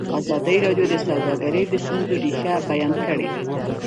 ازادي راډیو د سوداګري د ستونزو رېښه بیان کړې.